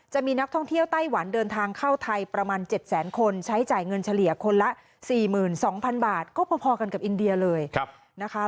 จะมีนักท่องเที่ยวไต้หวันเดินทางเข้าไทยประมาณ๗แสนคนใช้จ่ายเงินเฉลี่ยคนละ๔๒๐๐๐บาทก็พอกันกับอินเดียเลยนะคะ